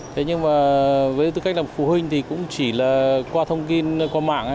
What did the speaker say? thế nhưng mà với tư cách là phụ huynh thì cũng chỉ là qua thông tin qua mạng